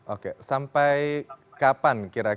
oke sampai kapan